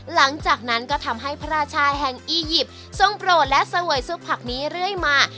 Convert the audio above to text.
หลังจากนั้นก็ทำให้พระราชาแห่งอียิปต์ทรงโปรดและเสวยซุปผักนี้เรื่อยมา